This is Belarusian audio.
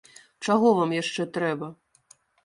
Чаго вам яшчэ трэба?